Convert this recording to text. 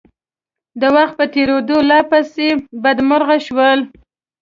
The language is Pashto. د وخت په تېرېدو لا پسې بدمرغه شول.